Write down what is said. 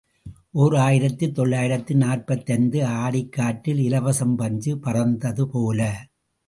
ஓர் ஆயிரத்து தொள்ளாயிரத்து நாற்பத்தைந்து ஆடிக் காற்றில் இலவம் பஞ்சு பறந்தது போல.